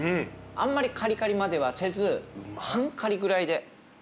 あんまりカリカリまではせず半カリぐらいで。